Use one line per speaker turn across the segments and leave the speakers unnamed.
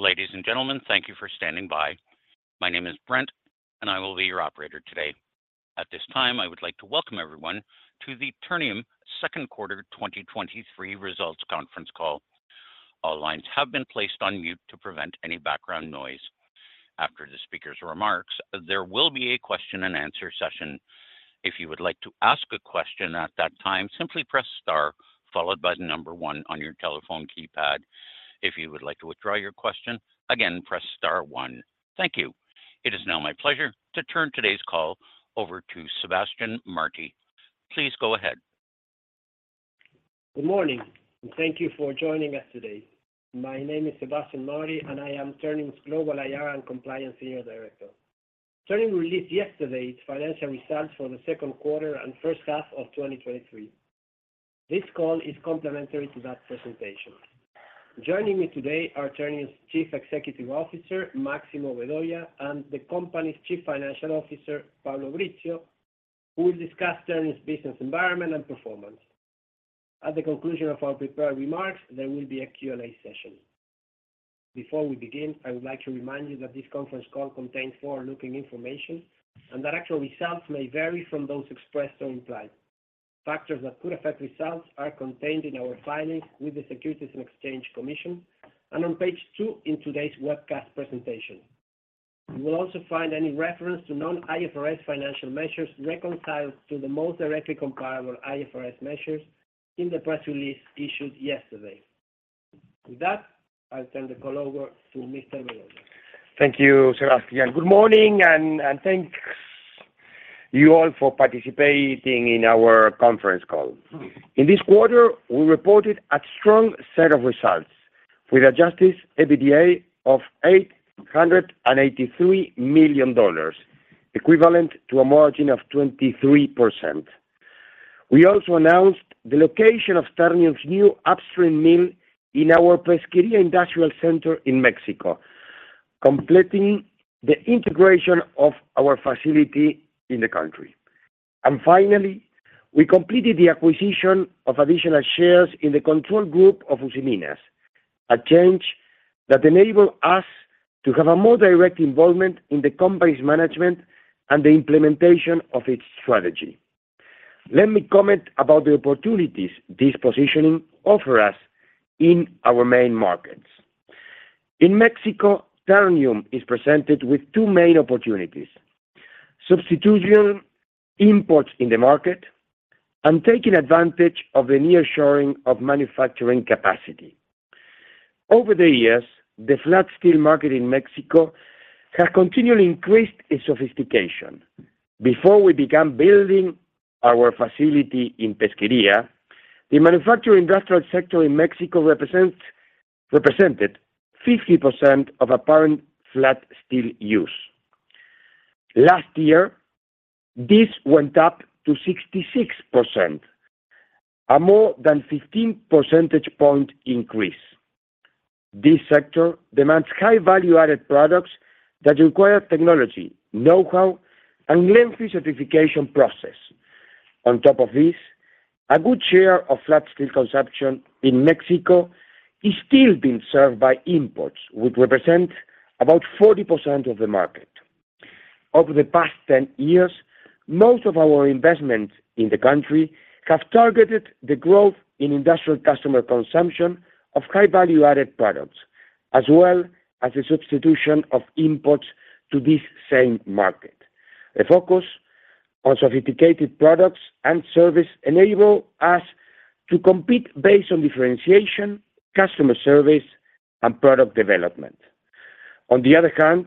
Ladies and gentlemen, thank you for standing by. My name is Brent, and I will be your operator today. At this time, I would like to welcome everyone to the Ternium Second Quarter 2023 Results Conference Call. All lines have been placed on mute to prevent any background noise. After the speaker's remarks, there will be a question-and-answer session. If you would like to ask a question at that time, simply press star followed by the number one on your telephone keypad. If you would like to withdraw your question, again, press star one. Thank you. It is now my pleasure to turn today's call over to Sebastián Martí. Please go ahead.
Good morning. Thank you for joining us today. My name is Sebastián Martí, I am Ternium's Global IR and Compliance Senior Director. Ternium released yesterday its financial results for the second quarter and first half of 2023. This call is complementary to that presentation. Joining me today are Ternium's Chief Executive Officer, Máximo Vedoya, and the company's Chief Financial Officer, Pablo Brizzio, who will discuss Ternium's business environment and performance. At the conclusion of our prepared remarks, there will be a Q&A session. Before we begin, I would like to remind you that this conference call contains forward-looking information and that actual results may vary from those expressed or implied. Factors that could affect results are contained in our filings with the Securities and Exchange Commission, on page two in today's webcast presentation. You will also find any reference to non-IFRS financial measures reconciled to the most directly comparable IFRS measures in the press release issued yesterday. With that, I'll turn the call over to Mr. Vedoya.
Thank you, Sebastián. Good morning, and thank you all for participating in our conference call. In this quarter, we reported a strong set of results with adjusted EBITDA of $883 million, equivalent to a margin of 23%. We also announced the location of Ternium's new upstream mill in our Pesquería Industrial Center in Mexico, completing the integration of our facility in the country. Finally, we completed the acquisition of additional shares in the control group of Usiminas, a change that enabled us to have a more direct involvement in the company's management and the implementation of its strategy. Let me comment about the opportunities this positioning offer us in our main markets. In Mexico, Ternium is presented with two main opportunities: substitution imports in the market and taking advantage of the nearshoring of manufacturing capacity. Over the years, the flat steel market in Mexico has continually increased its sophistication. Before we began building our facility in Pesquería, the manufacturing industrial sector in Mexico represented 50% of apparent flat steel use. Last year, this went up to 66%, a more than 15 percentage point increase. This sector demands high value-added products that require technology, know-how, and lengthy certification process. On top of this, a good share of flat steel consumption in Mexico is still being served by imports, which represent about 40% of the market. Over the past 10 years, most of our investments in the country have targeted the growth in industrial customer consumption of high-value-added products, as well as the substitution of imports to this same market. A focus on sophisticated products and service enable us to compete based on differentiation, customer service, and product development. On the other hand,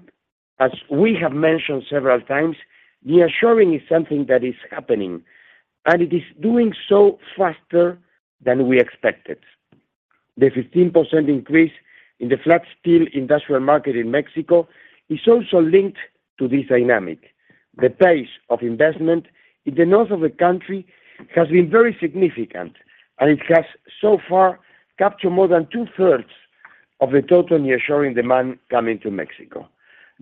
as we have mentioned several times, nearshoring is something that is happening, and it is doing so faster than we expected. The 15% increase in the flat steel industrial market in Mexico is also linked to this dynamic. The pace of investment in the north of the country has been very significant, and it has so far captured more than two-thirds of the total nearshoring demand coming to Mexico.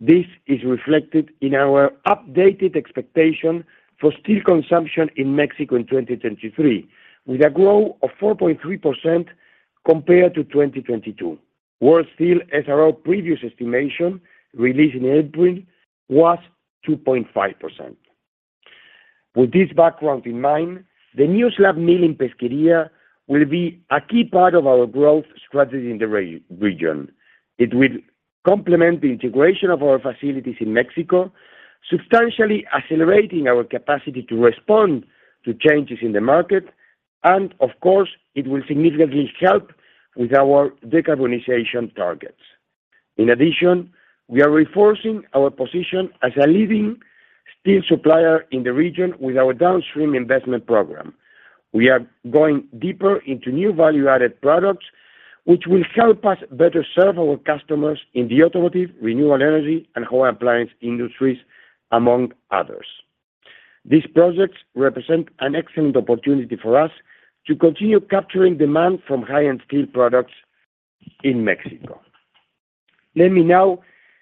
This is reflected in our updated expectation for steel consumption in Mexico in 2023, with a growth of 4.3% compared to 2022, where steel as our previous estimation released in April was 2.5%. With this background in mind, the new slab mill in Pesquería will be a key part of our growth strategy in the region. It will complement the integration of our facilities in Mexico, substantially accelerating our capacity to respond to changes in the market, and of course, it will significantly help with our decarbonization targets. In addition, we are reinforcing our position as a leading steel supplier in the region with our downstream investment program. We are going deeper into new value-added products, which will help us better serve our customers in the automotive, renewable energy, and home appliance industries, among others. These projects represent an excellent opportunity for us to continue capturing demand from high-end steel products in Mexico. Let me now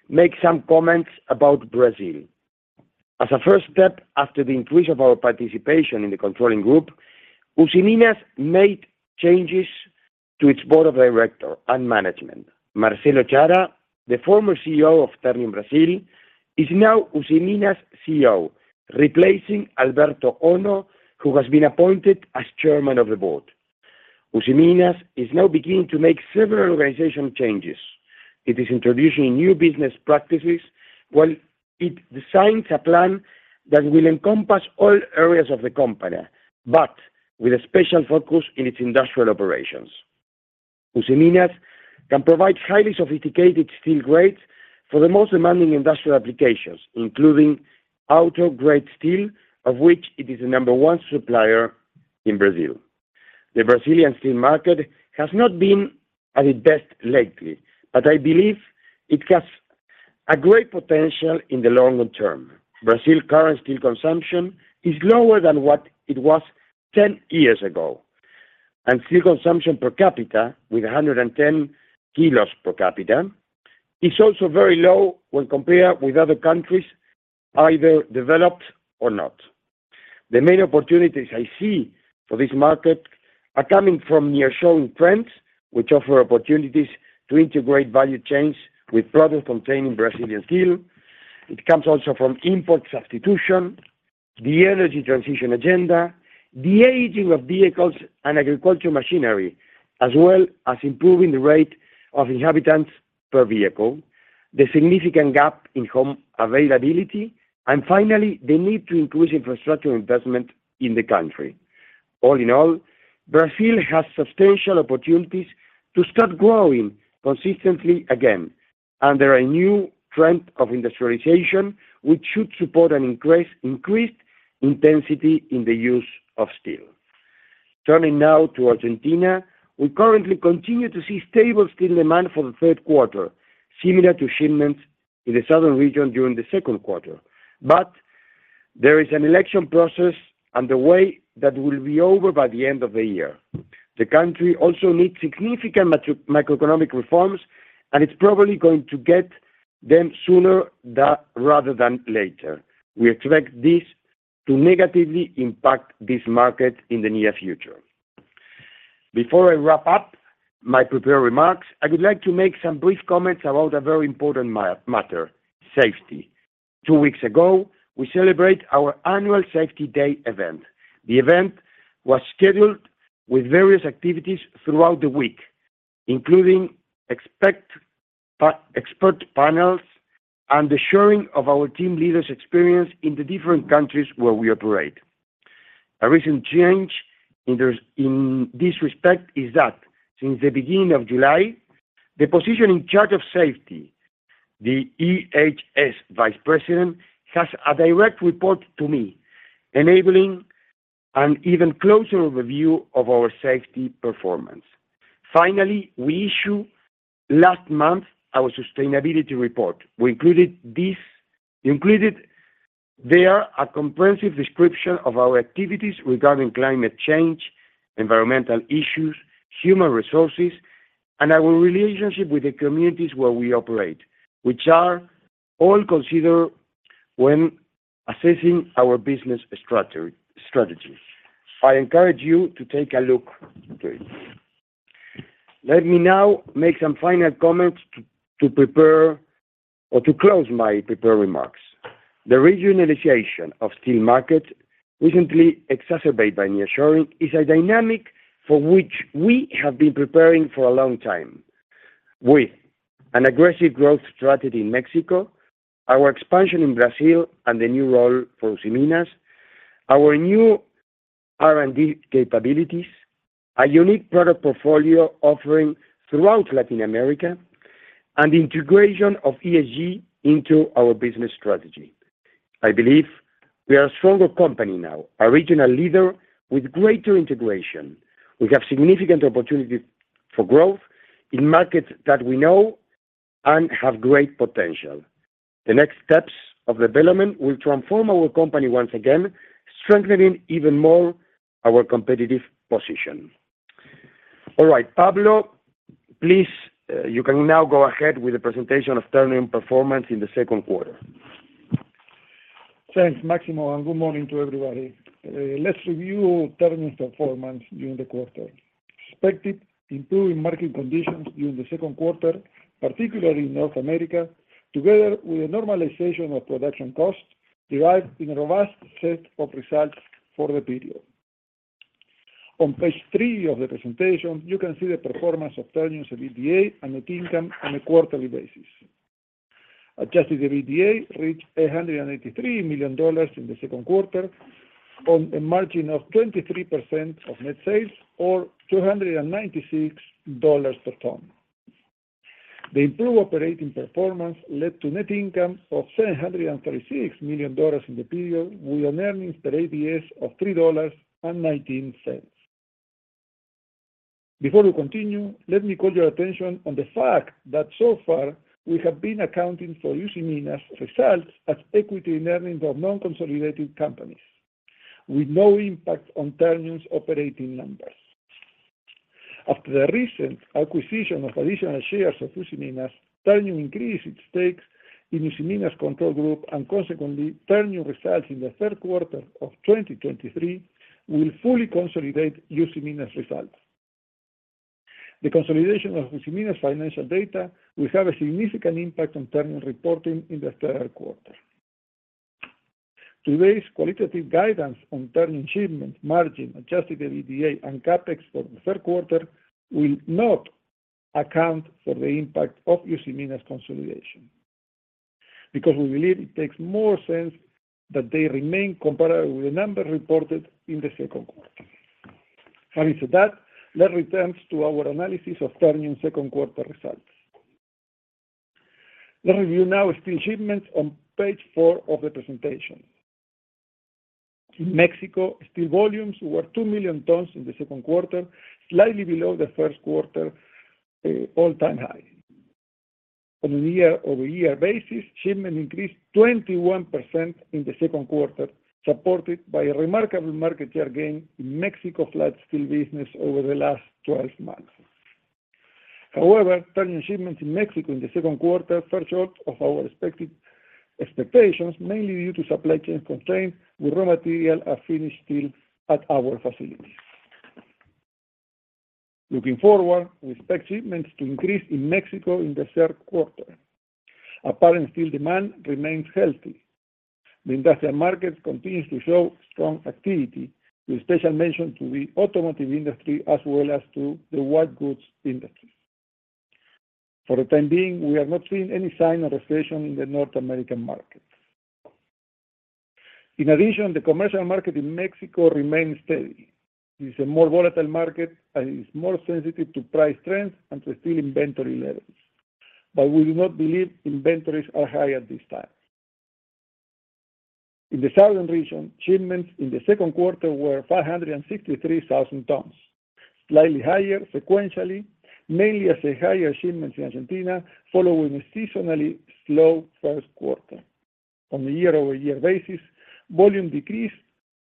make some comments about Brazil. As a first step, after the increase of our participation in the controlling group, Usiminas made changes to its board of director and management. Marcelo Chara, the former CEO of Ternium Brasil, is now Usiminas' CEO, replacing Alberto Ono, who has been appointed as chairman of the board. Usiminas is now beginning to make several organization changes. It is introducing new business practices, while it designs a plan that will encompass all areas of the company, but with a special focus in its industrial operations. Usiminas can provide highly sophisticated steel grades for the most demanding industrial applications, including auto grade steel, of which it is the number one supplier in Brazil. The Brazilian steel market has not been at its best lately, but I believe it has a great potential in the longer term. Brazil current steel consumption is lower than what it was 10 years ago, and steel consumption per capita, with 110 kilos per capita, is also very low when compared with other countries, either developed or not. The main opportunities I see for this market are coming from nearshoring trends, which offer opportunities to integrate value chains with products containing Brazilian steel. It comes also from import substitution, the energy transition agenda, the aging of vehicles and agriculture machinery, as well as improving the rate of inhabitants per vehicle, the significant gap in home availability, and finally, the need to increase infrastructure investment in the country. All in all, Brazil has substantial opportunities to start growing consistently again under a new trend of industrialization, which should support increased intensity in the use of steel. Turning now to Argentina, we currently continue to see stable steel demand for the third quarter, similar to shipments in the southern region during the second quarter. There is an election process on the way that will be over by the end of the year. The country also needs significant macroeconomic reforms. It's probably going to get them sooner rather than later. We expect this to negatively impact this market in the near future. Before I wrap up my prepared remarks, I would like to make some brief comments about a very important matter, safety. Two weeks ago, we celebrate our annual Safety Day event. The event was scheduled with various activities throughout the week, including expert panels and the sharing of our team leaders experience in the different countries where we operate. A recent change in this respect is that since the beginning of July, the position in charge of safety, the EHS Vice President, has a direct report to me, enabling an even closer review of our safety performance. Finally, we issue last month our sustainability report. We included included there, a comprehensive description of our activities regarding climate change, environmental issues, human resources, and our relationship with the communities where we operate, which are all considered when assessing our business strategy. I encourage you to take a look to it. Let me now make some final comments to prepare or to close my prepared remarks. The regionalization of steel markets, recently exacerbated by nearshoring, is a dynamic for which we have been preparing for a long time. With an aggressive growth strategy in Mexico, our expansion in Brazil, and the new role for Usiminas, our new R&D capabilities, a unique product portfolio offering throughout Latin America, and integration of ESG into our business strategy. I believe we are a stronger company now, a regional leader with greater integration. We have significant opportunities for growth in markets that we know and have great potential. The next steps of development will transform our company once again, strengthening even more our competitive position. All right, Pablo, please, you can now go ahead with the presentation of Ternium performance in the second quarter.
Thanks, Máximo, good morning to everybody. Let's review Ternium's performance during the quarter. Expected improving market conditions during the second quarter, particularly in North America, together with a normalization of production costs, derived in a robust set of results for the period. On page three of the presentation, you can see the performance of Ternium's EBITDA and net income on a quarterly basis. Adjusted EBITDA reached $883 million in the second quarter, on a margin of 23% of net sales or $296 per ton. The improved operating performance led to net income of $736 million in the period, with an earnings per ADS of $3.19. Before we continue, let me call your attention on the fact that so far, we have been accounting for Usiminas' results as equity in earnings of non-consolidated companies, with no impact on Ternium's operating numbers. After the recent acquisition of additional shares of Usiminas, Ternium increased its stakes in Usiminas' control group, and consequently, Ternium results in the third quarter of 2023 will fully consolidate Usiminas' results. The consolidation of Usiminas' financial data will have a significant impact on Ternium reporting in the third quarter. Today's qualitative guidance on Ternium shipments, margin, adjusted EBITDA, and CapEx for the third quarter will not account for the impact of Usiminas consolidation. Because we believe it makes more sense that they remain comparable with the number reported in the second quarter. Having said that, let's return to our analysis of Ternium second quarter results. Let's review now steel shipments on page four of the presentation. In Mexico, steel volumes were two million tons in the second quarter, slightly below the first quarter, all-time high. On a year-over-year basis, shipment increased 21% in the second quarter, supported by a remarkable market share gain in Mexico flat steel business over the last 12 months. However, Ternium shipments in Mexico in the second quarter fell short of our expectations, mainly due to supply chain constraints with raw material and finished steel at our facilities. Looking forward, we expect shipments to increase in Mexico in the third quarter. Apparent steel demand remains healthy. The industrial market continues to show strong activity, with special mention to the automotive industry as well as to the white goods industry. For the time being, we are not seeing any sign of recession in the North American market. In addition, the commercial market in Mexico remains steady. It is a more volatile market and is more sensitive to price trends and to steel inventory levels, but we do not believe inventories are high at this time. In the second quarter, shipments in the southern region were 563,000 tons, slightly higher sequentially, mainly as a higher shipments in Argentina, following a seasonally slow first quarter. On a year-over-year basis, volume decreased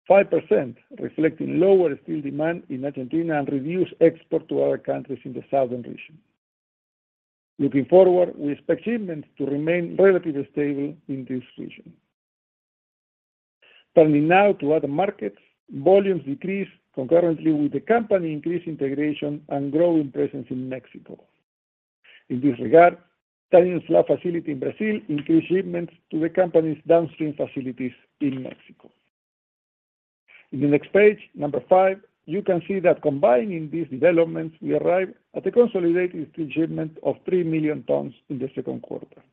5%, reflecting lower steel demand in Argentina and reduced export to other countries in the southern region. Looking forward, we expect shipments to remain relatively stable in this region. Turning now to other markets, volumes decreased concurrently with the company increased integration and growing presence in Mexico. In this regard, Ternium's flat facility in Brazil increased shipments to the company's downstream facilities in Mexico. In the next page, number five, you can see that combining these developments, we arrive at a consolidated steel shipment of three million tons in the second quarter,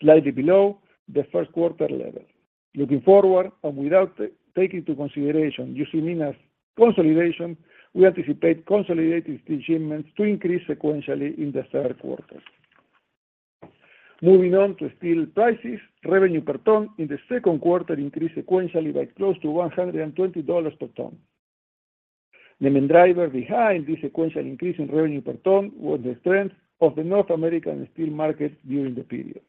slightly below the first quarter level. Looking forward, without taking into consideration Usiminas' consolidation, we anticipate consolidated steel shipments to increase sequentially in the third quarter. Moving on to steel prices, revenue per ton in the second quarter increased sequentially by close to $120 per ton. The main driver behind this sequential increase in revenue per ton was the strength of the North American steel market during the period.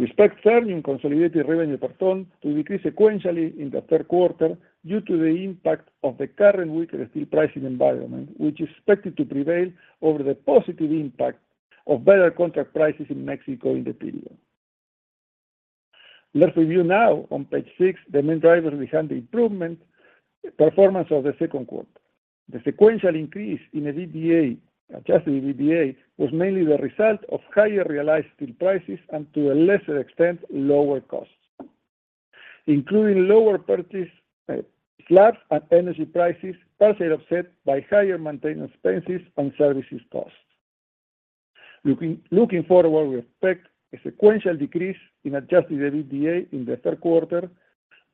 We expect Ternium consolidated revenue per ton to decrease sequentially in the third quarter due to the impact of the current weaker steel pricing environment, which is expected to prevail over the positive impact of better contract prices in Mexico in the period. Let's review now on page six, the main drivers behind the improvement, performance of the second quarter. The sequential increase in EBITDA, adjusted EBITDA, was mainly the result of higher realized steel prices and, to a lesser extent, lower costs, including lower purchase flats and energy prices, partially offset by higher maintenance expenses and services costs. Looking forward, we expect a sequential decrease in adjusted EBITDA in the third quarter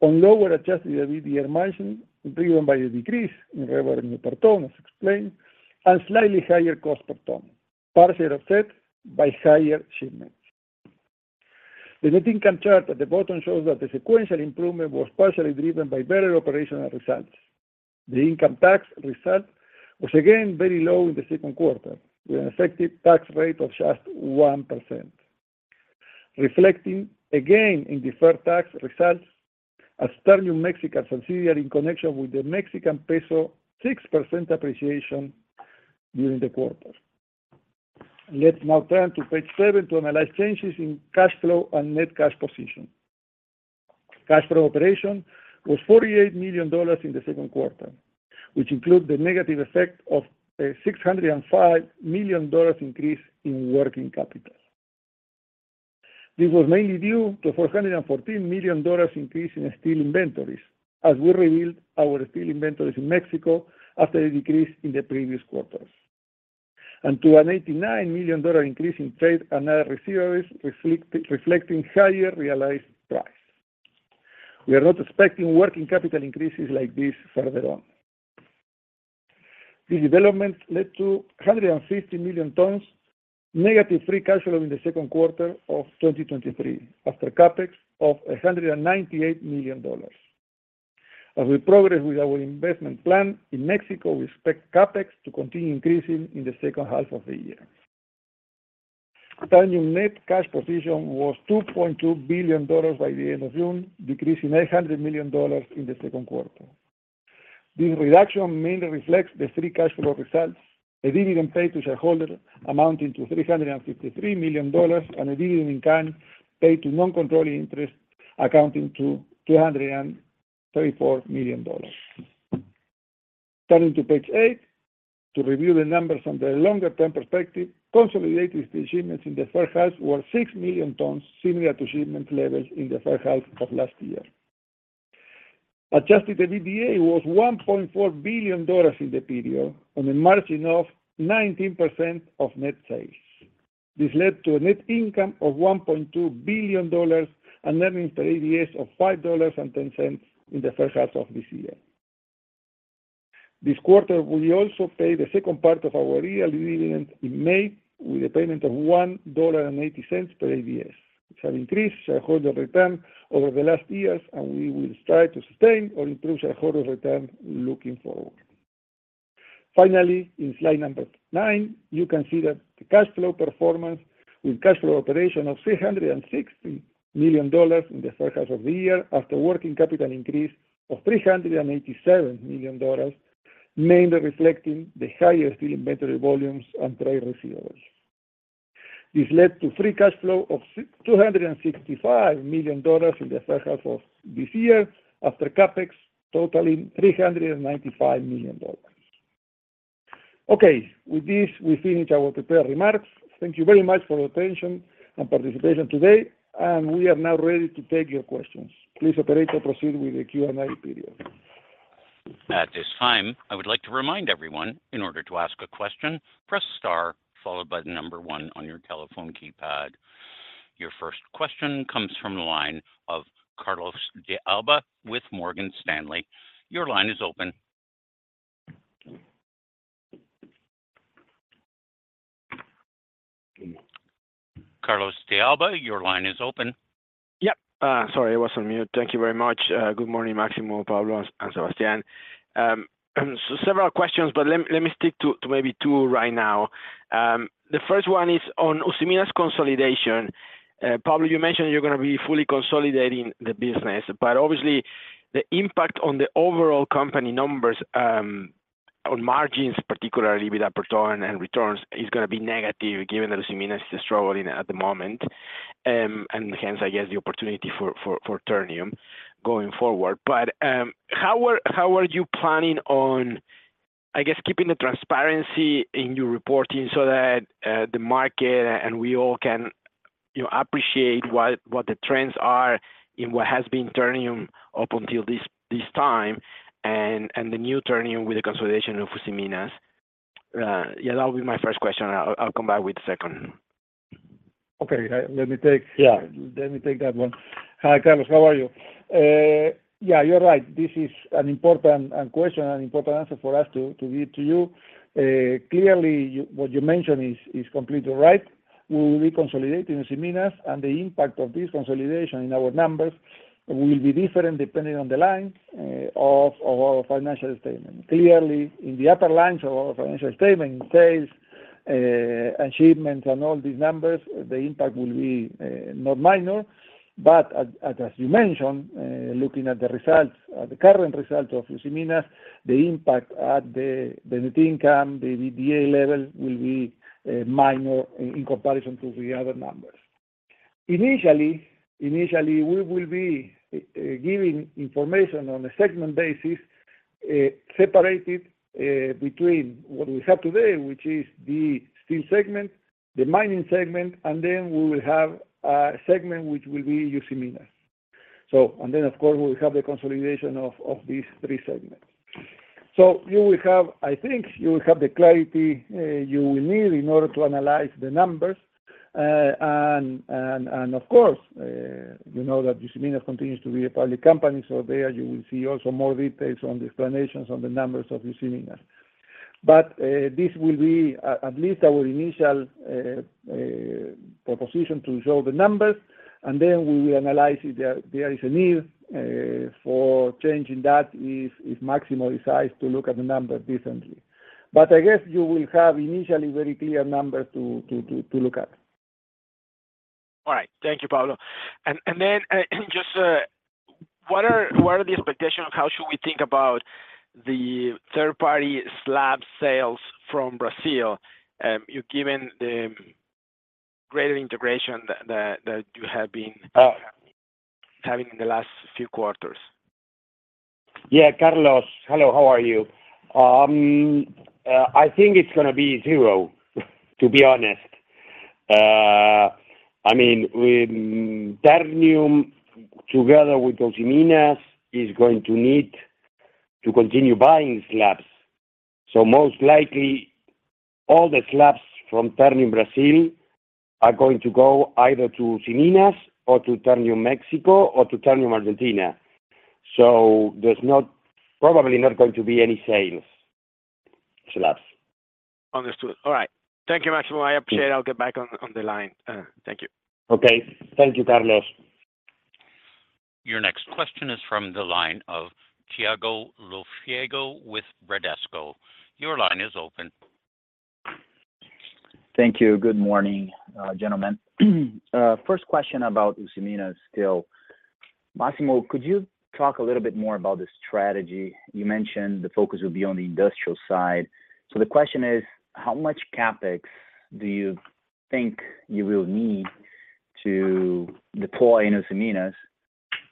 on lower adjusted EBITDA margin, driven by a decrease in revenue per ton, as explained, and slightly higher cost per ton, partially offset by higher shipments. The net income chart at the bottom shows that the sequential improvement was partially driven by better operational results. The income tax result was again very low in the second quarter, with an effective tax rate of just 1%, reflecting again in deferred tax results, as Ternium Mexico subsidiary in connection with the Mexican peso 6% appreciation during the quarter. Let's now turn to page seven to analyze changes in cash flow and net cash position. Cash flow operation was $48 million in the second quarter, which include the negative effect of a $605 million increase in working capital. This was mainly due to a $414 million increase in steel inventories, as we rebuilt our steel inventories in Mexico after a decrease in the previous quarters, and to an $89 million increase in trade and other receivables, reflecting higher realized price. We are not expecting working capital increases like this further on. This development led to 150 million tons negative free cash flow in the second quarter of 2023, after CapEx of $198 million. As we progress with our investment plan in Mexico, we expect CapEx to continue increasing in the second half of the year. Ternium net cash position was $2.2 billion by the end of June, decreasing $800 million in the second quarter. This reduction mainly reflects the free cash flow results, a dividend paid to shareholders amounting to $353 million, and a dividend in kind paid to non-controlling interest, accounting to $234 million. Turning to page eight, to review the numbers from the longer-term perspective, consolidated shipments in the first half were six million tons, similar to shipment levels in the first half of last year. Adjusted EBITDA was $1.4 billion in the period, on a margin of 19% of net sales. This led to a net income of $1.2 billion, and earnings per ADS of $5.10 in the first half of this year. This quarter, we also paid the second part of our annual dividend in May, with a payment of $1.80 per ADS, which have increased shareholder return over the last years, and we will strive to sustain or improve shareholder return looking forward. Finally, in slide number nine, you can see that the cash flow performance with cash flow operation of $360 million in the first half of the year, after working capital increase of $387 million, mainly reflecting the higher steel inventory volumes and trade receivables. This led to free cash flow of $265 million in the first half of this year, after CapEx totaling $395 million. Okay, with this, we finish our prepared remarks. Thank you very much for your attention and participation today, and we are now ready to take your questions. Please, operator, proceed with the Q&A period.
At this time, I would like to remind everyone, in order to ask a question, press star followed by the number one on your telephone keypad. Your first question comes from the line of Carlos de Alba with Morgan Stanley. Your line is open. Carlos de Alba, your line is open.
Yep, sorry, I was on mute. Thank you very much. Good morning, Máximo, Pablo, and Sebastián. Several questions, but let me, let me stick to, to maybe two right now. The first one is on Usiminas consolidation. Pablo, you mentioned you're going to be fully consolidating the business, but obviously, the impact on the overall company numbers, on margins, particularly with aperture and, and returns, is going to be negative, given that Usiminas is struggling at the moment. Hence, I guess, the opportunity for, for, for Ternium going forward. How are, how are you planning on, I guess, keeping the transparency in your reporting so that the market and we all can, you know, appreciate what, what the trends are in what has been Ternium up until this, this time, and, and the new Ternium with the consolidation of Usiminas? Yeah, that would be my first question. I'll, I'll come back with the second.
Okay, let me.
Yeah.
Let me take that one. Hi, Carlos, how are you? Yeah, you're right. This is an important question, an important answer for us to give to you. Clearly, what you mentioned is completely right. We will be consolidating Usiminas, and the impact of this consolidation in our numbers will be different depending on the line of our financial statement. Clearly, in the upper lines of our financial statement, in sales and shipments, and all these numbers, the impact will be not minor. As you mentioned, looking at the results, the current results of Usiminas, the impact at the net income, the EBITDA level, will be minor in comparison to the other numbers. Initially, initially, we will be giving information on a segment basis, separated between what we have today, which is the steel segment, the mining segment, then we will have a segment which will be Usiminas. Of course, we will have the consolidation of these three segments. You will have, I think you will have the clarity you will need in order to analyze the numbers. Of course, you know that Usiminas continues to be a public company, there you will see also more details on the explanations on the numbers of Usiminas. This will be at least our initial proposition to show the numbers, then we will analyze if there is a need for changing that if, if Maximo decides to look at the numbers differently. I guess you will have initially very clear numbers to look at.
All right. Thank you, Pablo. And then, just, what are, what are the expectations? How should we think about the third-party slab sales from Brazil? You're given the greater integration that, that, that you have been-
Oh.
-having in the last few quarters.
Yeah, Carlos, hello, how are you? I think it's gonna be zero, to be honest. I mean, we, Ternium, together with Usiminas, is going to need to continue buying slabs. Most likely, all the slabs from Ternium Brasil are going to go either to Usiminas or to Ternium Mexico or to Ternium Argentina. There's not, probably not going to be any sales slabs.
Understood. All right. Thank you, Máximo. I appreciate it. I'll get back on, on the line. Thank you.
Okay. Thank you, Carlos.
Your next question is from the line of Thiago Lofiego with Bradesco. Your line is open.
Thank you. Good morning, gentlemen. First question about Usiminas. Máximo, could you talk a little bit more about the strategy? You mentioned the focus will be on the industrial side. The question is: how much CapEx do you think you will need to deploy in Usiminas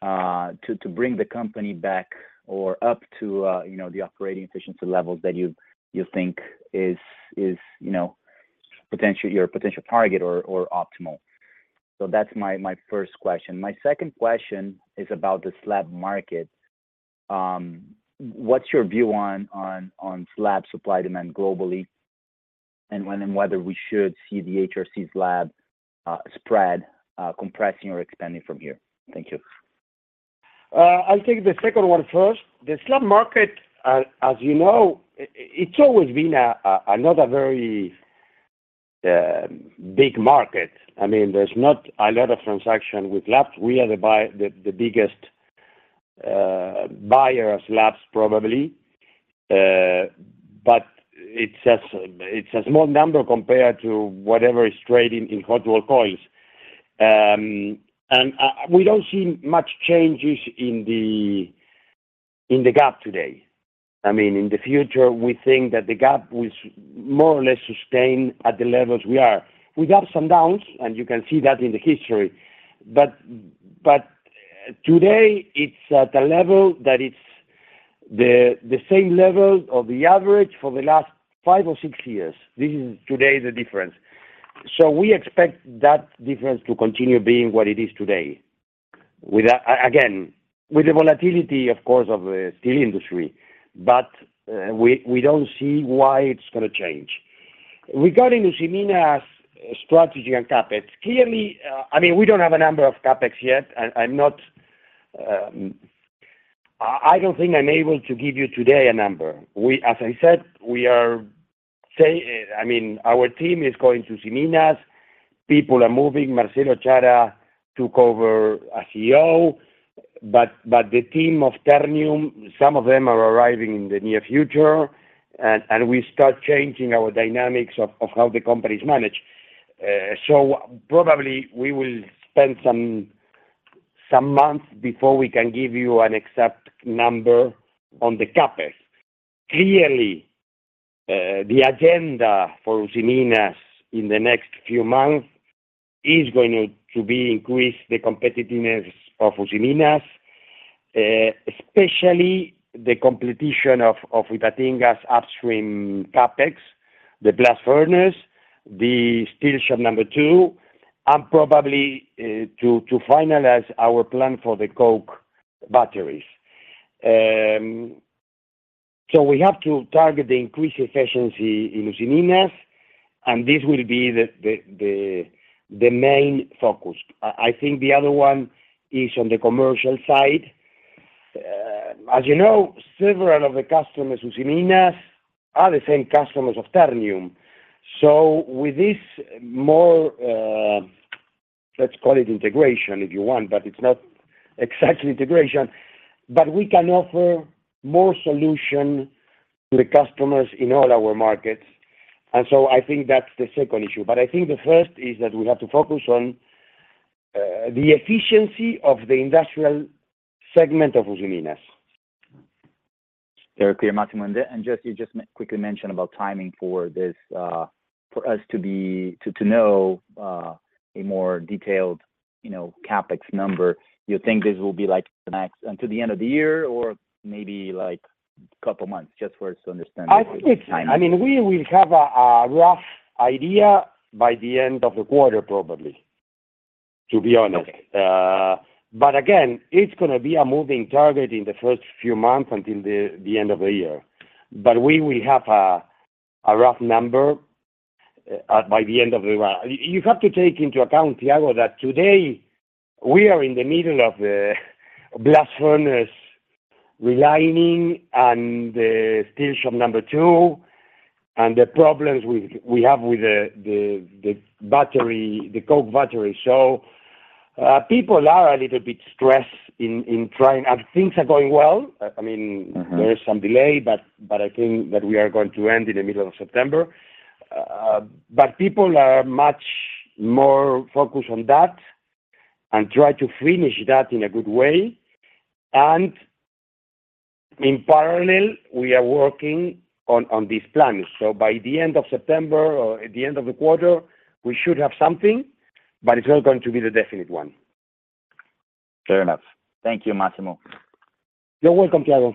to bring the company back or up to, you know, the operating efficiency levels that you, you think is, is, you know, potential, your potential target or optimal? That's my first question. My second question is about the slab market. What's your view on, on, on slab supply-demand globally, and when and whether we should see the HRC slab spread compressing or expanding from here? Thank you.
I'll take the second one first. The slab market, as you know, it's always been not a very big market. I mean, there's not a lot of transaction with slabs. We are the biggest buyer of slabs, probably. But it's a small number compared to whatever is trading in hot rolled coils. We don't see much changes in the gap today. I mean, in the future, we think that the gap will more or less sustain at the levels we are. With ups and downs, and you can see that in the history, but today, it's at a level that it's the same levels of the average for the last five or six years. This is today, the difference. We expect that difference to continue being what it is today. With again, with the volatility, of course, of the steel industry, but we don't see why it's gonna change. Regarding Usiminas' strategy and CapEx, clearly, I mean, we don't have a number of CapEx yet. I, I'm not. I, I don't think I'm able to give you today a number. As I said, I mean, our team is going to Usiminas, people are moving. Marcelo Chara took over as CEO, but the team of Ternium, some of them are arriving in the near future, and we start changing our dynamics of how the company is managed. Probably we will spend some months before we can give you an exact number on the CapEx. Clearly, the agenda for Usiminas in the next few months is going to be increase the competitiveness of Usiminas, especially the competition of Ipatinga's upstream CapEx, the blast furnace, the steel shop number two, and probably to finalize our plan for the coke batteries. We have to target the increased efficiency in Usiminas, and this will be the main focus. I think the other one is on the commercial side. As you know, several of the customers of Usiminas are the same customers of Ternium. With this more, let's call it integration if you want, but it's not exactly integration, but we can offer more solution to the customers in all our markets, and so I think that's the second issue. I think the first is that we have to focus on the efficiency of the industrial segment of Usiminas.
Very clear, Máximo. Just, you just quickly mentioned about timing for this, for us to be to know a more detailed, you know, CapEx number. You think this will be, like, the next, until the end of the year or maybe, like, couple months? Just for us to understand the timing.
I think, I mean, we will have a rough idea by the end of the quarter, probably, to be honest.
Okay.
Again, it's gonna be a moving target in the first few months until the, the end of the year, but we will have a, a rough number by the end of the round. You, you have to take into account, Thiago, that today we are in the middle of the blast furnace relining and the steel shop number two, and the problems we, we have with the, the, the battery, the coke battery. People are a little bit stressed in, in trying, things are going well. I mean-
Mm-hmm.
There is some delay, but, but I think that we are going to end in the middle of September. People are much more focused on that and try to finish that in a good way, and in parallel, we are working on, on these plans. By the end of September or at the end of the quarter, we should have something, but it's not going to be the definite one.
Fair enough. Thank you, Máximo.
You're welcome, Thiago.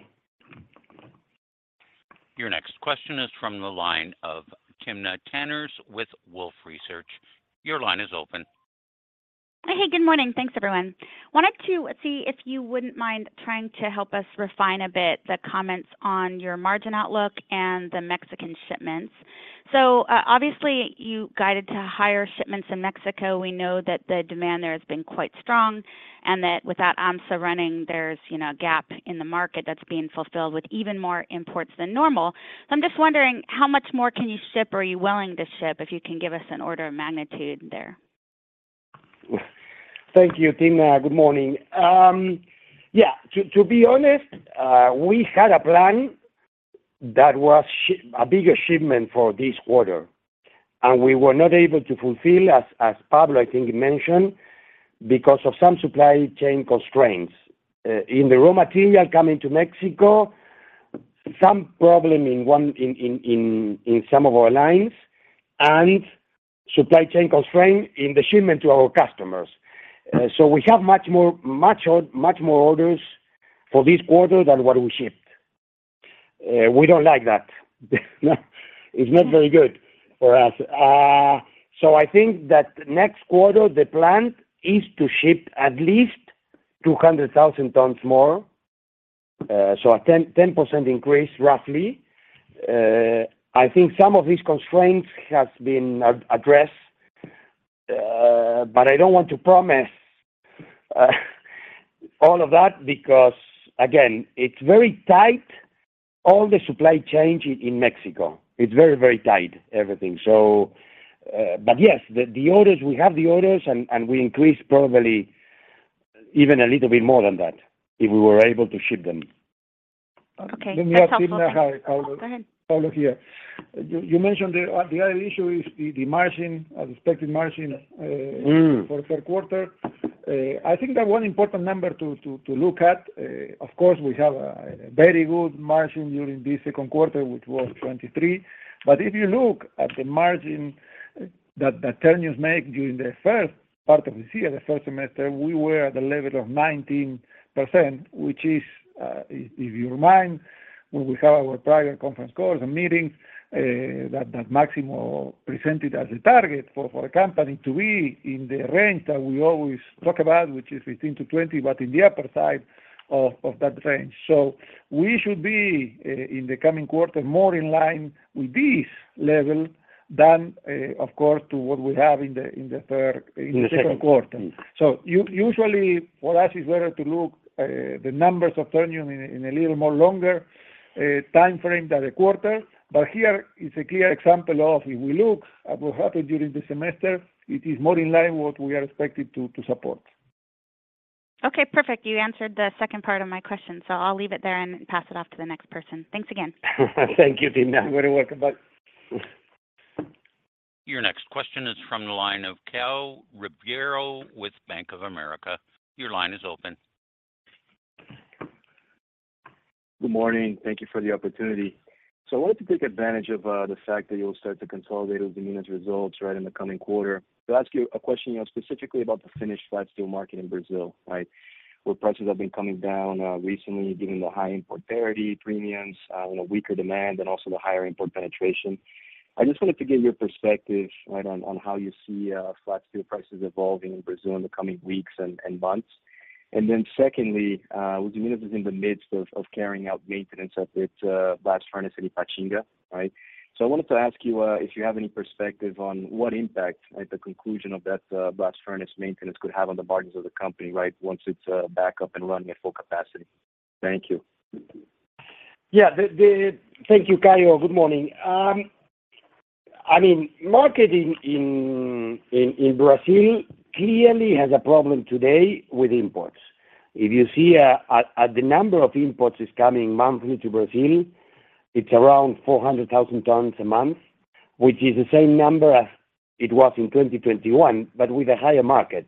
Your next question is from the line of Timna Tanners with Wolfe Research. Your line is open.
Hey, good morning. Thanks, everyone. Wanted to see if you wouldn't mind trying to help us refine a bit the comments on your margin outlook and the Mexican shipments. Obviously, you guided to higher shipments in Mexico. We know that the demand there has been quite strong, and that without AHMSA running, there's, you know, a gap in the market that's being fulfilled with even more imports than normal. I'm just wondering, how much more can you ship or are you willing to ship, if you can give us an order of magnitude there?
Thank you, Tina. Good morning. Yeah, to, to be honest, we had a plan that was a bigger shipment for this quarter. We were not able to fulfill, as Pablo, I think, mentioned, because of some supply chain constraints. In the raw material coming to Mexico, some problem in some of our lines, and supply chain constraint in the shipment to our customers. We have much more orders for this quarter than what we shipped. We don't like that. It's not very good for us. I think that next quarter, the plan is to ship at least 200,000 tons more, a 10% increase, roughly. I think some of these constraints have been addressed, but I don't want to promise all of that because, again, it's very tight, all the supply chain in, in Mexico, it's very, very tight, everything. But yes, the, the orders, we have the orders and, and we increased probably even a little bit more than that, if we were able to ship them.
Okay, that's helpful.
We have Tina, hi, Pablo.
Go ahead.
Pablo here. You, you mentioned the other issue is the, the margin, expected margin-
Mm
-for third quarter. I think the one important number to look at, of course, we have a very good margin during this second quarter, which was 23%. If you look at the margin that Ternium made during the first part of this year, the first semester, we were at the level of 19%, which is, if you remind, when we had our private conference call as a meeting, that Máximo presented as a target for the company to be in the range that we always talk about, which is between to 20%, but in the upper side of that range. We should be in the coming quarter, more in line with this level than, of course, to what we have in the third-
In the second
-in the second quarter. Usually, for us, it's better to look the numbers of Ternium in a little more longer time frame than a quarter. Here is a clear example of if we look at what happened during the semester, it is more in line with what we are expected to support.
Okay, perfect. You answered the second part of my question, so I'll leave it there and pass it off to the next person. Thanks again.
Thank you, Tina. You're very welcome, bye.
Your next question is from the line of Caio Ribeiro with Bank of America. Your line is open.
Good morning. Thank you for the opportunity. I wanted to take advantage of the fact that you'll start to consolidate Usiminas' results, right, in the coming quarter. To ask you a question, you know, specifically about the finished flat steel market in Brazil, right? Where prices have been coming down recently, given the high import parity, premiums, you know, weaker demand and also the higher import penetration. I just wanted to get your perspective, right, on how you see flat steel prices evolving in Brazil in the coming weeks and months. Secondly, Usiminas is in the midst of carrying out maintenance at its blast furnace in Ipatinga, right? I wanted to ask you, if you have any perspective on what impact, at the conclusion of that, blast furnace maintenance could have on the margins of the company, right, once it's, back up and running at full capacity. Thank you.
Yeah, the, the, thank you, Caio. Good morning. I mean, market in Brazil clearly has a problem today with imports. If you see at the number of imports is coming monthly to Brazil, it's around 400,000 tons a month, which is the same number as it was in 2021, but with a higher market.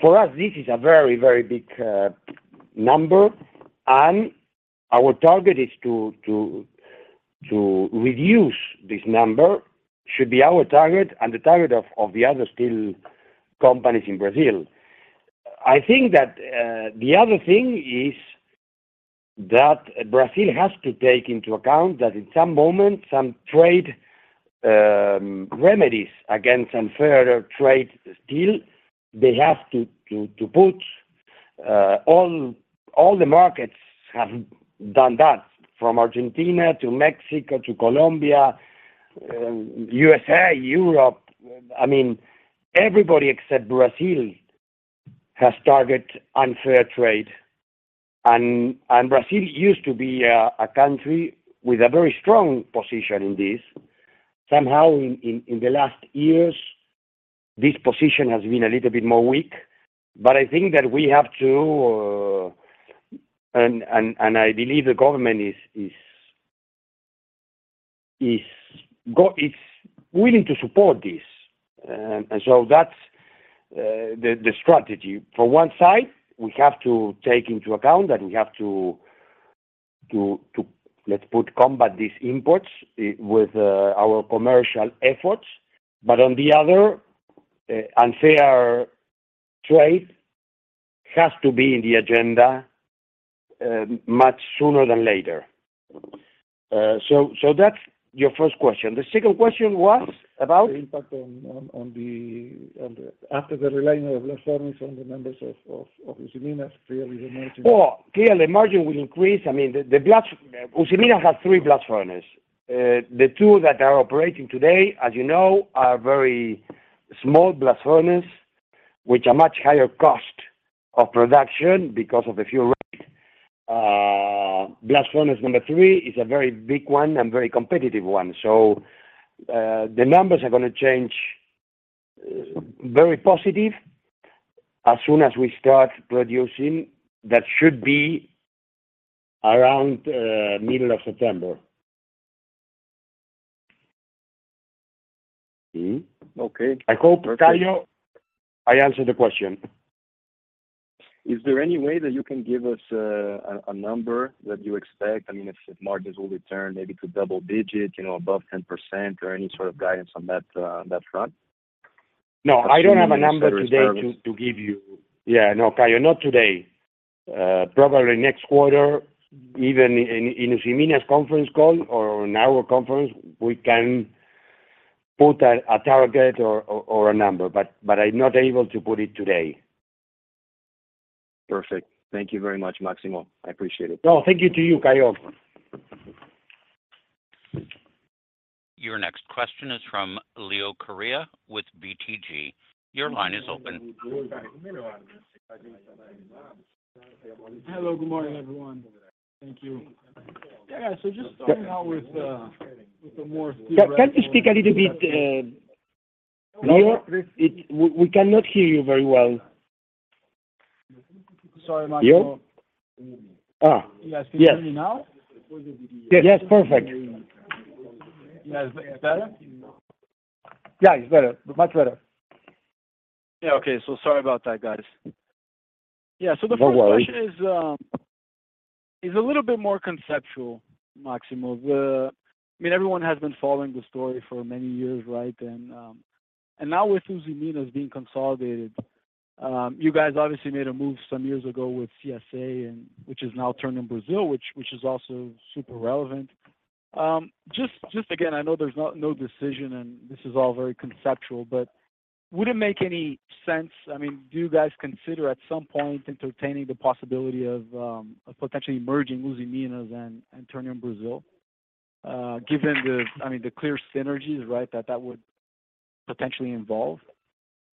For us, this is a very, very big number, and our target is to reduce this number, should be our target and the target of the other steel companies in Brazil. I think that the other thing is that Brazil has to take into account that in some moment, some trade remedies against unfair trade still, they have to put all the markets have done that, from Argentina to Mexico to Colombia, U.S.A., Europe. I mean, everybody except Brazil has targeted unfair trade. Brazil used to be a country with a very strong position in this. Somehow in the last years, this position has been a little bit more weak. I think that we have to, I believe the government is willing to support this. That's the strategy. For one side, we have to take into account, and we have to, let's put, combat these imports with our commercial efforts. On the other, unfair trade has to be in the agenda much sooner than later. That's your first question. The second question was about?
The impact on the after the realignment of blast furnace on the members of Usiminas, clearly the margin-
Well, clearly, margin will increase. I mean, the, the blast, Usiminas has three blast furnace. The two that are operating today, as you know, are very small blast furnace, which are much higher cost of production because of the fuel- blast furnace number three is a very big one and very competitive one. The numbers are going to change, very positive as soon as we start producing. That should be around, middle of September. Okay.
Okay.
I hope, Caio, I answered the question.
Is there any way that you can give us, a, a number that you expect? I mean, if, if margins will return maybe to double digit, you know, above 10% or any sort of guidance on that, that front?
No, I don't have a number today-
Or service?
-to, to give you. Yeah. No, Caio, not today. Probably next quarter, even in, in Usiminas conference call or in our conference, we can put a, a target or, or, or a number, but, but I'm not able to put it today.
Perfect. Thank you very much, Máximo. I appreciate it.
No, thank you to you, Caio.
Your next question is from Leo Correa with BTG. Your line is open.
Hello, good morning, everyone. Thank you. Yeah, just starting out with, with a more-
Can, can you speak a little bit, Leo? We, we cannot hear you very well.
Sorry, Máximo.
Leo. Ah, yes.
Yes, can you hear me now?
Yes. Yes, perfect.
Yes, is it better?
Yeah, it's better. Much better.
Yeah, okay. Sorry about that, guys. The first-
No worry.
-question is, is a little bit more conceptual, Máximo. I mean, everyone has been following the story for many years, right? Now with Usiminas being consolidated, you guys obviously made a move some years ago with CSA and which is now Ternium Brasil, which, which is also super relevant. Just, just again, I know there's no decision, and this is all very conceptual, but would it make any sense-- I mean, do you guys consider at some point entertaining the possibility of, of potentially merging Usiminas and, and Ternium Brasil, given the, I mean, the clear synergies, right, that that would potentially involve?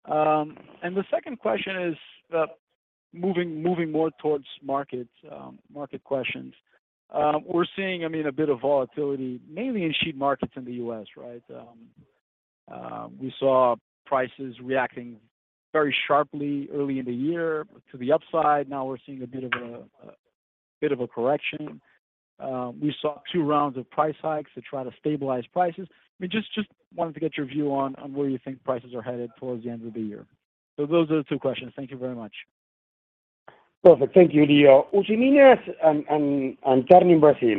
The second question is, moving, moving more towards markets, market questions. We're seeing, I mean, a bit of volatility, mainly in sheet markets in the U.S., right? We saw prices reacting very sharply early in the year to the upside. Now, we're seeing a bit of a, a bit of a correction. We saw two rounds of price hikes to try to stabilize prices. We just, just wanted to get your view on, on where you think prices are headed towards the end of the year. Those are the two questions. Thank you very much.
Perfect. Thank you, Leo. Usiminas and, and, and Ternium Brasil,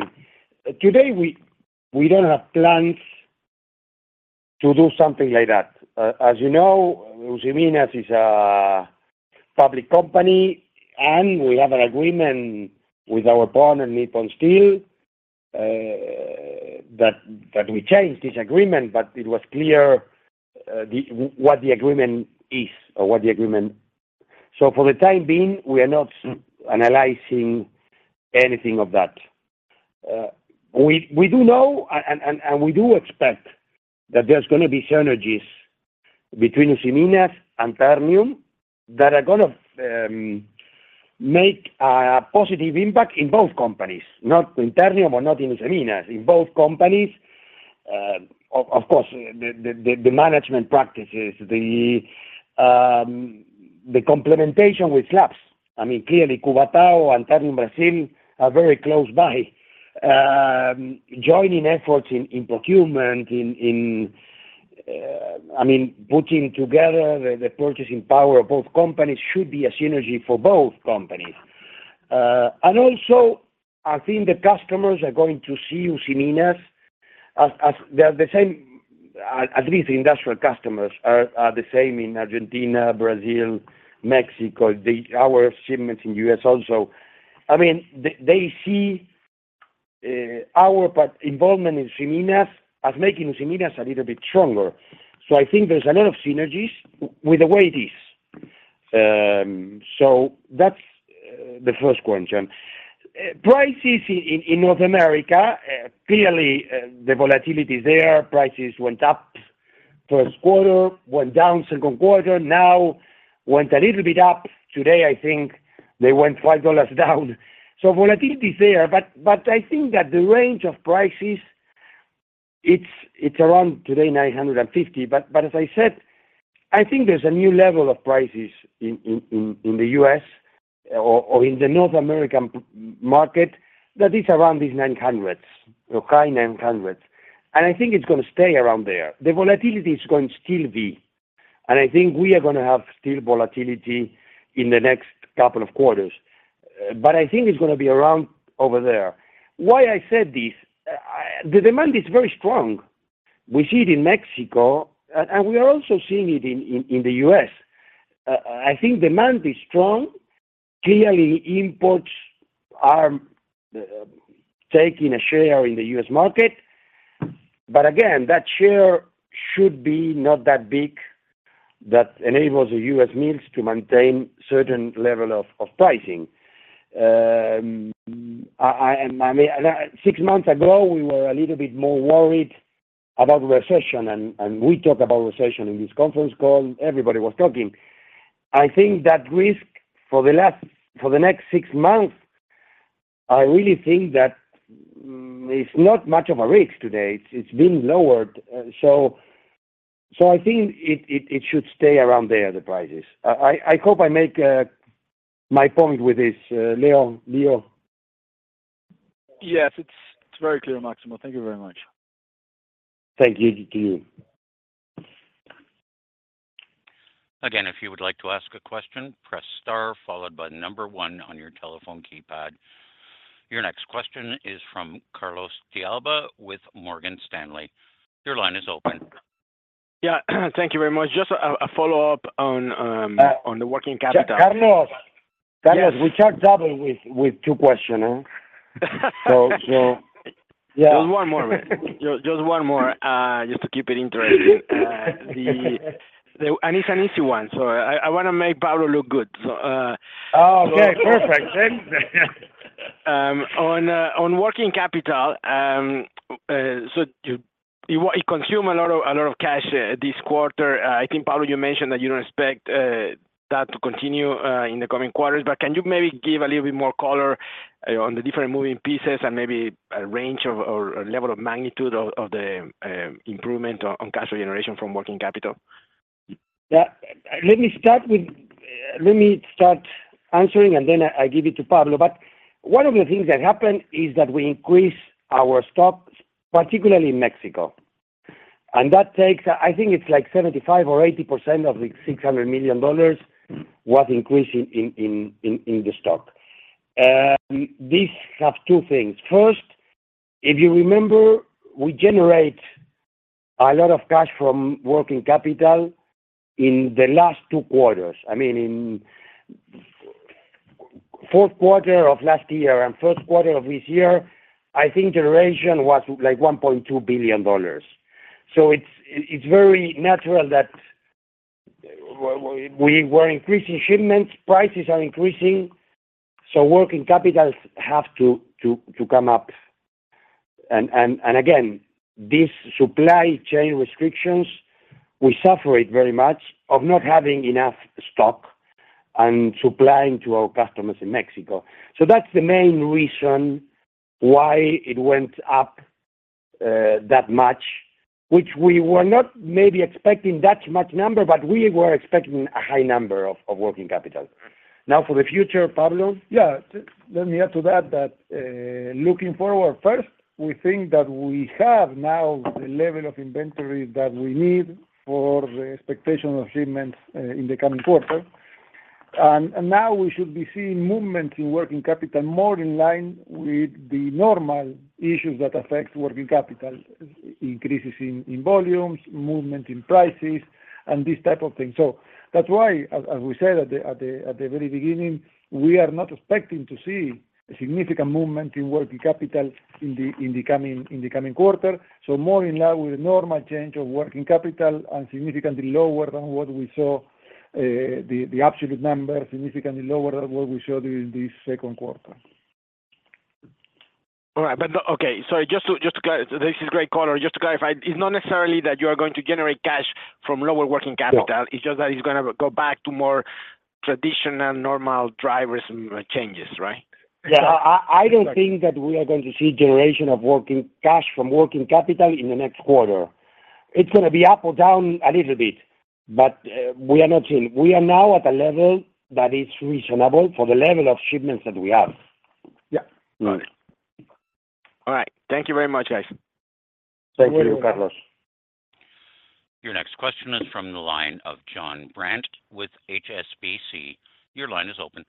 today, we, we don't have plans to do something like that. As you know, Usiminas is a public company, and we have an agreement with our partner, Nippon Steel, that, that we changed this agreement, but it was clear, the, what the agreement is or what the agreement. For the time being, we are not analyzing anything of that. We, we do know and, and, and, and we do expect that there's gonna be synergies between Usiminas and Ternium that are gonna make a positive impact in both companies, not in Ternium or not in Usiminas, in both companies. Of, of course, the, the, the, the management practices, the complementation with labs. I mean, clearly, Cubatão and Ternium Brasil are very close by. Joining efforts in, in procurement, in, I mean, putting together the, the purchasing power of both companies should be a synergy for both companies. Also, I think the customers are going to see Usiminas as, as they are the same, at least the industrial customers are, are the same in Argentina, Brazil, Mexico, our shipments in U.S. also. I mean, they, they see, our involvement in Usiminas as making Usiminas a little bit stronger. I think there's a lot of synergies with the way it is. That's the first question. Prices in, in North America, clearly, the volatility is there. Prices went up first quarter, went down second quarter, now went a little bit up. Today, I think they went $5 down. Volatility is there, but I think that the range of prices, it's around today, $950. But as I said, I think there's a new level of prices in the U.S. or in the North American market that is around these $900s or high $900s, and I think it's gonna stay around there. The volatility is going to still be, and I think we are gonna have still volatility in the next couple of quarters, but I think it's gonna be around over there. Why I said this, the demand is very strong. We see it in Mexico, and we are also seeing it in the U.S. I think demand is strong. Clearly, imports are taking a share in the U.S. market. Again, that share should be not that big, that enables the U.S. mills to maintain certain level of pricing. I, I, and I mean, six6 months ago, we were a little bit more worried- about recession. We talk about recession in this conference call, everybody was talking. I think that risk for the last, for the next 6 months, I really think that it's not much of a risk today. It's, it's been lowered. I think it, it, it should stay around there, the prices. I, I, I hope I make my point with this, Leon, Leo?
Yes, it's, it's very clear, Máximo. Thank you very much.
Thank you, to you.
Again, if you would like to ask a question, press star followed by number one on your telephone keypad. Your next question is from Carlos de Alba with Morgan Stanley. Your line is open.
Yeah, thank you very much. Just a, a follow-up on-
Uh-
on the working capital.
Carlos!
Yes.
Carlos, we charge double with, with two question, eh? So, so, yeah.
Just one more, man. Just, just one more, just to keep it interesting. It's an easy one, I, I wanna make Pablo look good.
Oh, okay, perfect then.
On working capital, so you, you consume a lot of, a lot of cash, this quarter. I think, Pablo, you mentioned that you don't expect that to continue in the coming quarters. Can you maybe give a little bit more color on the different moving pieces and maybe a range of, or a level of magnitude of the improvement on cash generation from working capital?
Yeah. Let me start answering, and then I give it to Pablo. One of the things that happened is that we increased our stock, particularly in Mexico, and that takes, I think it's like 75% or 80% of the $600 million was increased in the stock. This have two things. First, if you remember, we generate a lot of cash from working capital in the last two quarters. I mean, in fourth quarter of last year and first quarter of this year, I think generation was, like, $1.2 billion. It's, it's very natural that we were increasing shipments, prices are increasing, so working capitals have to come up. And again, this supply chain restrictions, we suffer it very much of not having enough stock and supplying to our customers in Mexico. That's the main reason why it went up, that much, which we were not maybe expecting that much number, but we were expecting a high number of, of working capital. Now, for the future, Pablo?
Yeah. Let me add to that, that, looking forward, first, we think that we have now the level of inventory that we need for the expectation of shipments in the coming quarter. Now we should be seeing movement in working capital more in line with the normal issues that affect working capital: increases in, in volumes, movement in prices, and this type of thing. That's why, as, as we said at the, at the, at the very beginning, we are not expecting to see a significant movement in working capital in the, in the coming, in the coming quarter. More in line with the normal change of working capital and significantly lower than what we saw, the, the absolute number, significantly lower than what we saw during this second quarter.
All right. Okay, sorry, just to clarify, this is great color. Just to clarify, it's not necessarily that you are going to generate cash from lower working capital-
No
It's just that it's gonna go back to more traditional, normal drivers and changes, right?
Yeah.
Exactly.
I don't think that we are going to see generation of working cash from working capital in the next quarter. It's gonna be up or down a little bit, but we are not seeing. We are now at a level that is reasonable for the level of shipments that we have.
Yeah, right.
All right. Thank you very much, guys.
Thank you, Carlos.
Your next question is from the line of Jonathan Brandt with HSBC. Your line is open.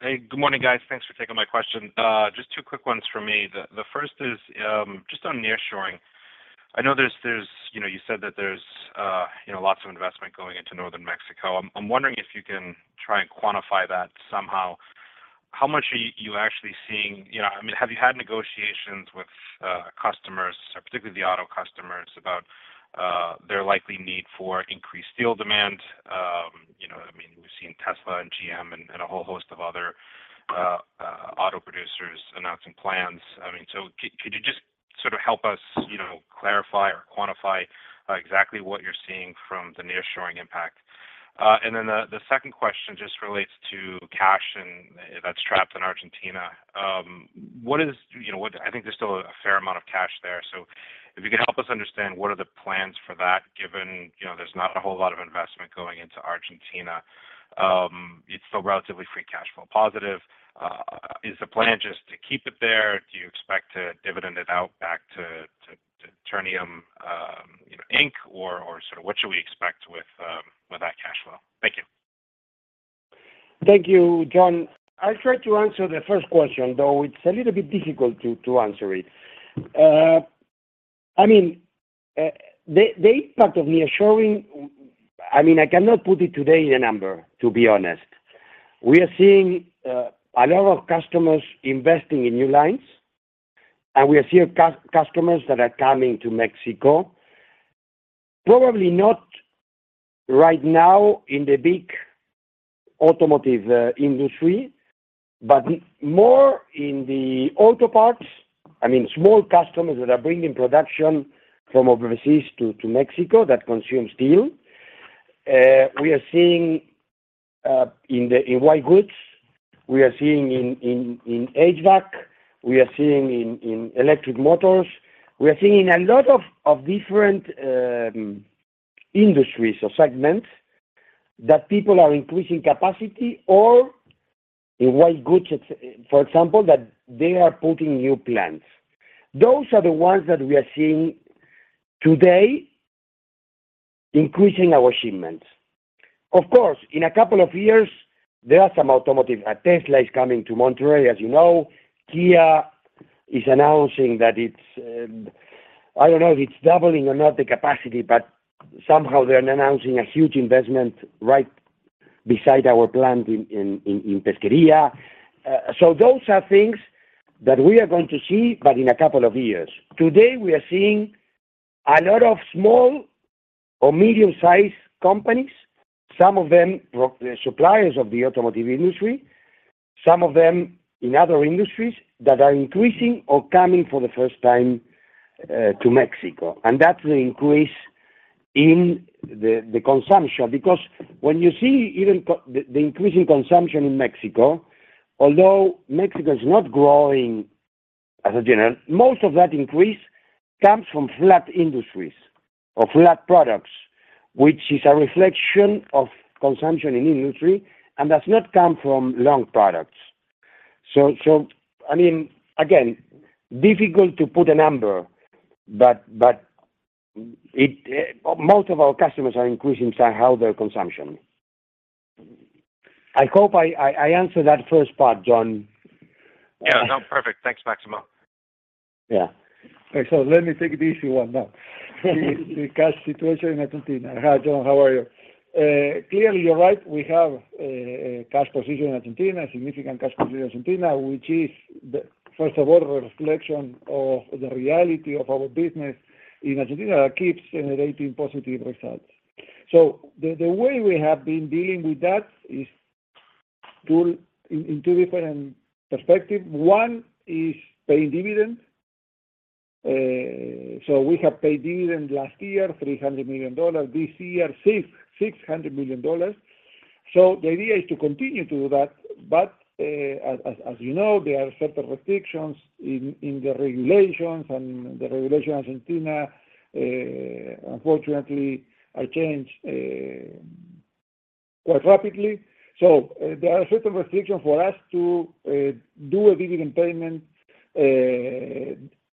Hey, good morning, guys. Thanks for taking my question. Just two quick ones from me. The first is just on nearshoring. I know there's, there's, you know, you said that there's, you know, lots of investment going into northern Mexico. I'm wondering if you can try and quantify that somehow. How much are you actually seeing? You know, I mean, have you had negotiations with customers, particularly the auto customers, about their likely need for increased steel demand? You know, I mean, we've seen Tesla and GM and a whole host of other auto producers announcing plans. I mean, could you just sort of help us, you know, clarify or quantify exactly what you're seeing from the nearshoring impact? The second question just relates to cash and that's trapped in Argentina. You know what? I think there's still a fair amount of cash there. If you could help us understand what are the plans for that, given, you know, there's not a whole lot of investment going into Argentina, it's still relatively free cash flow positive. Is the plan just to keep it there? Do you expect to dividend it out back to Ternium, you know, Inc., or, or sort of what should we expect with that cash flow? Thank you.
Thank you, Jon. I'll try to answer the first question, though it's a little bit difficult to answer it. I mean, the part of nearshoring, I mean, I cannot put it today in a number, to be honest. We are seeing a lot of customers investing in new lines, and we are seeing customers that are coming to Mexico. Probably not right now in the big automotive industry, but more in the auto parts. I mean, small customers that are bringing production from overseas to Mexico that consume steel. We are seeing in white goods, we are seeing in HVAC, we are seeing in electric motors. We are seeing in a lot of different industries or segments, that people are increasing capacity or in white goods, for example, that they are putting new plants. Those are the ones that we are seeing today, increasing our shipments. Of course, in a couple of years, there are some automotive, Tesla is coming to Monterrey, as you know. Kia is announcing that it's, I don't know if it's doubling or not the capacity, but somehow they're announcing a huge investment right beside our plant in, in, in Pesquería. Those are things that we are going to see, but in a couple of years. Today, we are seeing a lot of small or medium-sized companies, some of them pro- suppliers of the automotive industry, some of them in other industries, that are increasing or coming for the first time, to Mexico. That will increase in the, the consumption. When you see even the, the increase in consumption in Mexico, although Mexico is not growing as a general, most of that increase comes from flat industries or flat products, which is a reflection of consumption in industry, and does not come from long products. So I mean, again, difficult to put a number, but, but it, most of our customers are increasing somehow their consumption. I hope I, I, I answered that first part, Jo.
Yeah, no, perfect. Thanks, Máximo.
Yeah.
Let me take the easy one now. The cash situation in Argentina. Hi, Jon, how are you? Clearly, you're right, we have a cash position in Argentina, significant cash position in Argentina, which is first of all, reflection of the reality of our business in Argentina that keeps generating positive results. The way we have been dealing with that is pull in two different perspective. One is paying dividends. We have paid dividend last year, $300 million. This year, $600 million. The idea is to continue to do that, as you know, there are certain restrictions in the regulations, and the regulation in Argentina, unfortunately, are changed quite rapidly. There are certain restrictions for us to do a dividend payment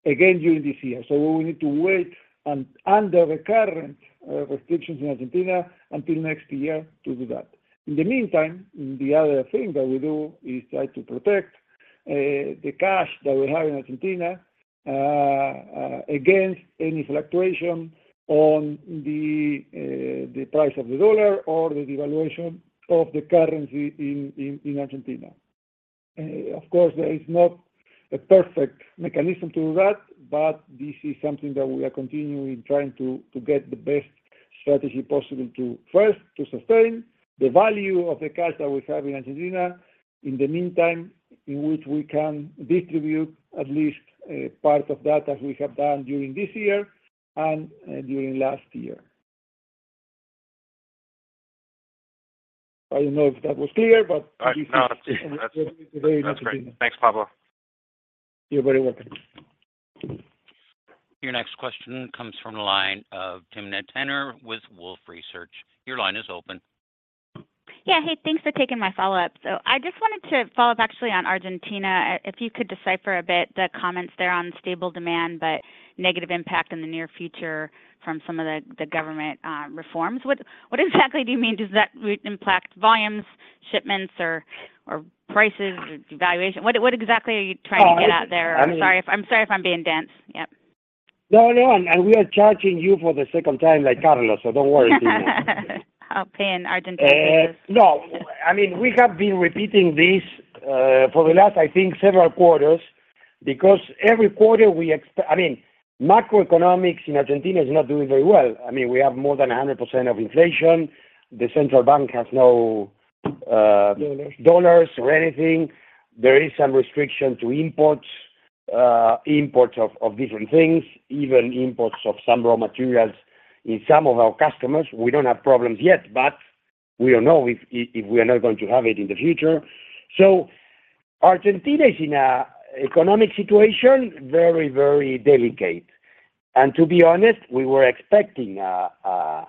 again during this year. We will need to wait on under the current restrictions in Argentina until next year to do that. In the meantime, the other thing that we do is try to protect the cash that we have in Argentina against any fluctuation on the price of the dollar or the devaluation of the currency in Argentina. Of course, there is not a perfect mechanism to do that, but this is something that we are continuing trying to get the best strategy possible to, first, to sustain the value of the cash that we have in Argentina. In the meantime, in which we can distribute at least part of that, as we have done during this year and during last year. I don't know if that was clear, but-
No, that's, that's great. Thanks, Pablo.
You're very welcome.
Your next question comes from the line of Timna Tanners with Wolfe Research. Your line is open.
Yeah, hey, thanks for taking my follow-up. I just wanted to follow up actually on Argentina. If you could decipher a bit the comments there on stable demand, but negative impact in the near future from some of the government reforms. What, what exactly do you mean? Does that impact volumes, shipments, or prices, or devaluation? What, what exactly are you trying to get out there?
Oh, I mean-
I'm sorry if, I'm sorry if I'm being dense. Yep.
No, no, we are charging you for the second time, like Carlos. Don't worry.
I'll pay in Argentine pesos.
No. I mean, we have been repeating this for the last, I think, several quarters, because every quarter we I mean, macroeconomics in Argentina is not doing very well. I mean, we have more than 100% of inflation. The central bank has no-
Dollars.
-dollars or anything. There is some restriction to imports of different things, even imports of some raw materials. In some of our customers, we don't have problems yet, but we don't know if we are not going to have it in the future. Argentina is in an economic situation very, very delicate. To be honest, we were expecting a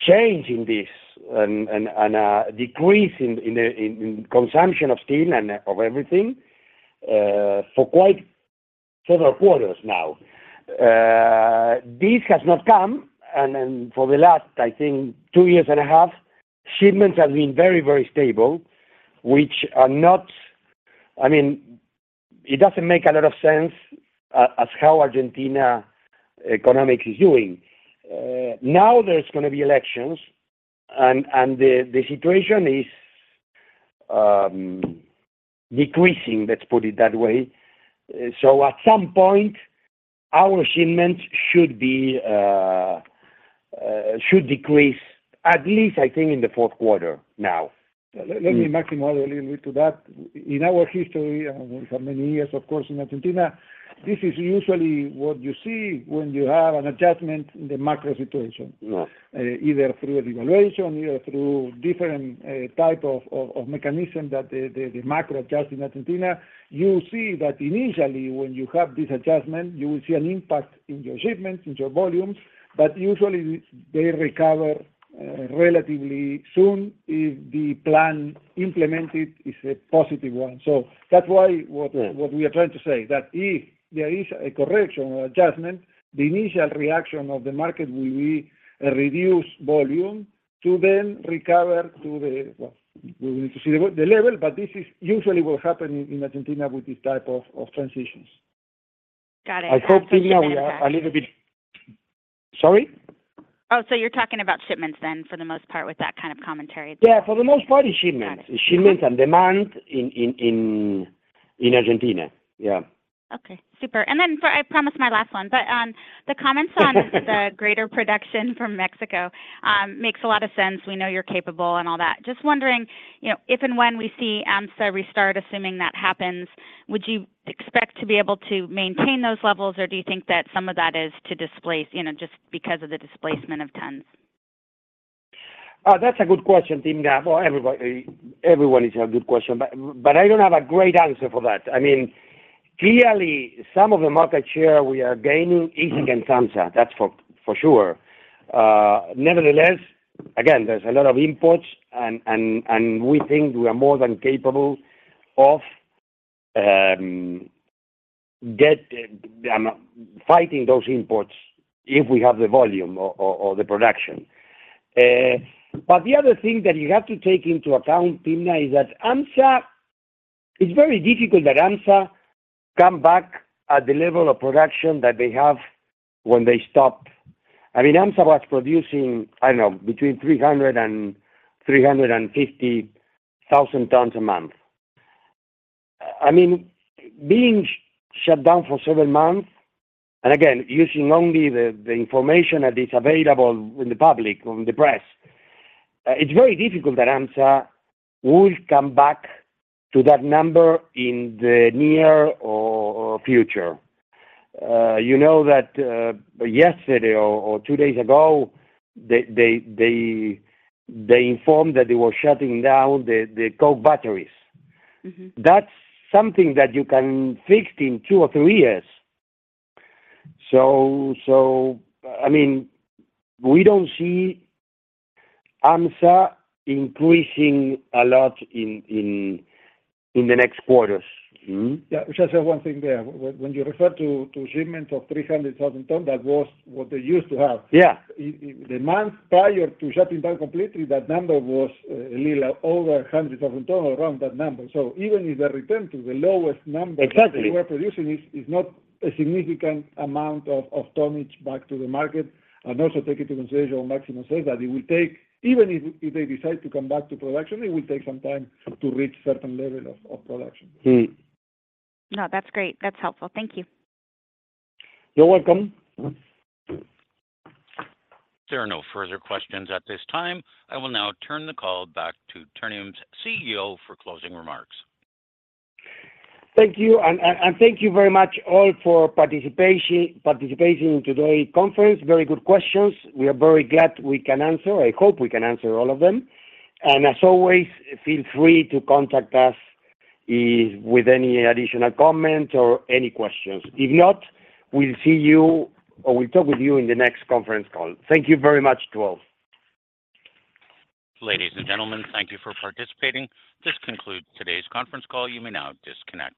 change in this and a decrease in the consumption of steel and of everything, for quite several quarters now. This has not come, and then for the last, I think two years and a half, shipments have been very, very stable, which are not, I mean, it doesn't make a lot of sense as how Argentina economics is doing. Now there's gonna be elections, and the situation is decreasing, let's put it that way. At some point, our shipments should be, should decrease at least, I think, in the fourth quarter now.
Let me Máximo add a little bit to that. In our history, and we have many years, of course, in Argentina, this is usually what you see when you have an adjustment in the macro situation.
Yeah.
Either through a devaluation, either through different type of mechanism that the macro adjust in Argentina. You see that initially, when you have this adjustment, you will see an impact in your shipments, in your volumes, but usually they recover relatively soon if the plan implemented is a positive one.
Yeah.
What we are trying to say, that if there is a correction or adjustment, the initial reaction of the market will be a reduced volume to then recover to the, well, we will need to see the, the level, but this is usually what happen in Argentina with this type of transitions.
Got it.
I hope, Timna, we are a little bit- sorry?
Oh, you're talking about shipments then, for the most part, with that kind of commentary?
Yeah, for the most part, is shipments.
Got it.
Shipments and demand in Argentina. Yeah.
Okay, super. Then for-- I promise my last one, the comments on- the greater production from Mexico, makes a lot of sense. We know you're capable and all that. Just wondering, you know, if and when we see AHMSA restart, assuming that happens, would you expect to be able to maintain those levels, or do you think that some of that is to displace, you know, just because of the displacement of tons?
That's a good question, Timna, for everybody. Everyone is a good question, but I don't have a great answer for that. I mean, clearly, some of the market share we are gaining is in AHMSA, that's for sure. Nevertheless, again, there's a lot of imports and we think we are more than capable of get fighting those imports if we have the volume or the production. The other thing that you have to take into account, Timna, is that AHMSA. It's very difficult that AHMSA come back at the level of production that they have when they stopped. I mean, AHMSA was producing, I don't know, between 300,000 and 350,000 tons a month. I mean, being shut down for seven months, and again, using only the, the information that is available in the public, on the press, it's very difficult that AHMSA will come back to that number in the near or, or future. You know that, yesterday or, or two days ago, they, they, they, they informed that they were shutting down the, the coke batteries.
Mm-hmm.
That's something that you can fix in two or three years. I mean, we don't see AHMSA increasing a lot in the next quarters.
Yeah, just one thing there. When you refer to shipments of 300,000 tons, that was what they used to have.
Yeah.
In the months prior to shutting down completely, that number was a little over 100,000 tons, around that number. Even if they return to the lowest number-
Exactly.
-they were producing, it's not a significant amount of, of tonnage back to the market. Also take into consideration what Máximo said, that it will take, even if, if they decide to come back to production, it will take some time to reach certain level of, of production.
Mm.
No, that's great. That's helpful. Thank you.
You're welcome.
There are no further questions at this time. I will now turn the call back to Ternium's CEO for closing remarks.
Thank you, thank you very much all for participating in today's conference. Very good questions. We are very glad we can answer. I hope we can answer all of them. As always, feel free to contact us, if with any additional comments or any questions. If not, we'll see you or we'll talk with you in the next conference call. Thank you very much to all.
Ladies and gentlemen, thank you for participating. This concludes today's conference call. You may now disconnect.